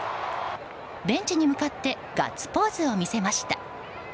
ベンチに向かってガッツポーズを見せました。